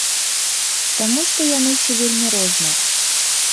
Таму што яны ўсе вельмі розныя.